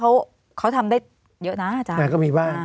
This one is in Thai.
เขาทำได้เยอะนะอาจารย์ก็มีบ้าง